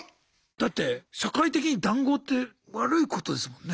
だって社会的に談合って悪いことですもんね。